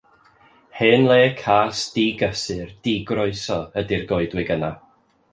Hen le cas, digysur, digroeso ydi'r goedwig yna.